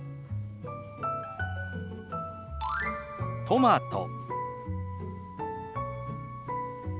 「トマト」。